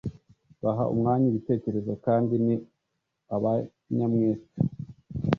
baha umwanya ibitekerezo kandi ni abanyamwete